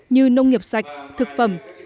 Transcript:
như nông nghiệp sạch thực phẩm